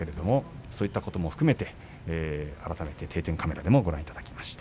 そういったことを含めて改めて定点カメラでご覧いただきました。